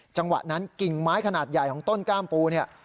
จังหวะนั้นกิ่งไม้ขนาดใหญ่ของต้นกล้ามปูเนี่ย